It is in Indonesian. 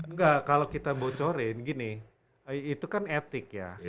enggak kalau kita bocorin gini itu kan etik ya